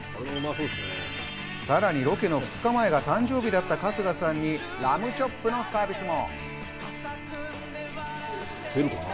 さらにロケの２日前が誕生日だった春日さんにラムチョップのサービスも。